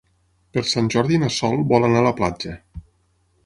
Per Sant Jordi na Sol vol anar a la platja.